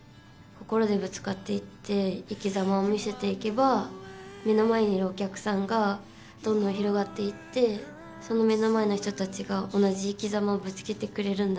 心でぶつかっていって生きざまを見せていけば目の前にいるお客さんがどんどん広がっていってその目の前の人たちが同じ生きざまをぶつけてくれるのかな。